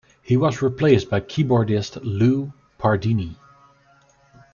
He was replaced by keyboardist Lou Pardini.